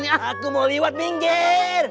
aku mau lewat binggir